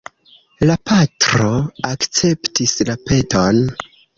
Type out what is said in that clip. La patro akceptis la peton.